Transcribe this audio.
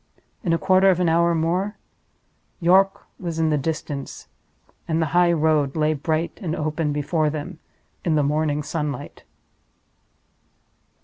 In a quarter of an hour more York was in the distance, and the highroad lay bright and open before them in the morning sunlight.